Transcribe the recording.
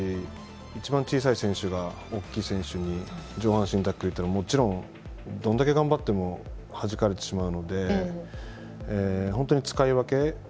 一番小さい選手が、大きい選手に上半身にタックルっていうのはもちろんどれだけ頑張ってもはじかれてしまうので本当に使い分け。